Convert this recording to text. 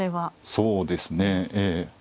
そうですねええ。